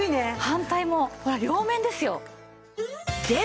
反対もほら両面ですよ。